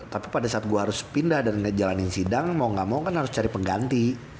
tapi pada saat gue harus pindah dan jalanin sidang mau gak mau kan harus cari pengganti